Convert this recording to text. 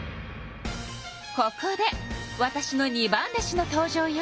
ここでわたしの二番弟子の登場よ。